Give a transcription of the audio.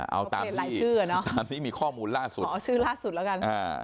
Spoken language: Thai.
เอาตามที่มีข้อมูลล่าสุดเอาชื่อล่าสุดแล้วกัน